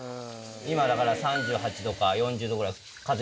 今だから３８℃か４０℃ぐらい。